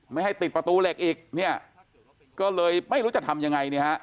ไม่ให้ติดประตูเหล็กอีกก็เลยไม่รู้จะทำยังไง